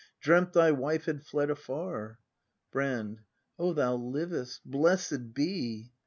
Dreamt, thy wife had fled afar. Brand. Oh, thou livest! Blessed be